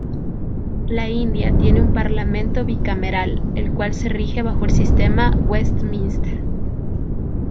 La India tiene un parlamento bicameral, el cual se rige bajo el sistema Westminster.